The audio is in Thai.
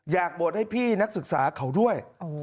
อยากบวชให้พี่นักศึกษาเขาด้วย